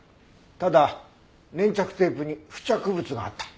ただ粘着テープに付着物があった。